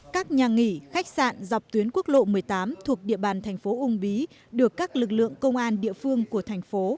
các nhà nghỉ khách sạn dọc tuyến quốc lộ một mươi tám thuộc địa bàn thành phố ung bí được các lực lượng công an địa phương của thành phố